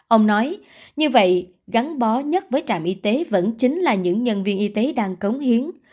ông nói như vậy gắn bó nhất với trạm y tế vẫn chính là những nhân viên y tế đang cống hiến